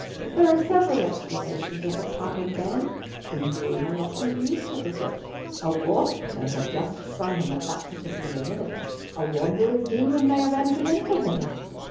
There are several explanations of what happened then. The mule may not have been used to the whip; a wasp may have just stung him at that particular minute; a wandering demon may have entered into him.